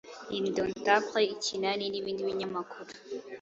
L’Indontable Ikinani n’ibindi binyamakuru